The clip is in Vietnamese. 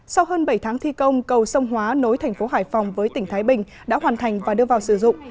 sau hơn bảy tháng thi công cầu sông hóa nối thành phố hải phòng với tỉnh thái bình đã hoàn thành và đưa vào sử dụng